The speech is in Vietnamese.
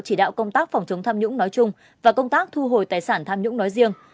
chỉ đạo công tác phòng chống tham nhũng nói chung và công tác thu hồi tài sản tham nhũng nói riêng